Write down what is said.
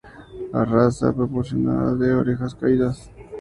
La raza es proporcionada y de orejas caídas.